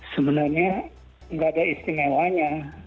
sebenarnya enggak ada istimewanya